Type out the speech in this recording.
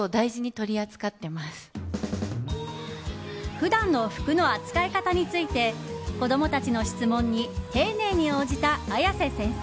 普段の服の扱い方について子供たちの質問に丁寧に応じた綾瀬先生。